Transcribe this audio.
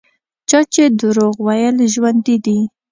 چا چې دروغ ویل ژوندي دي.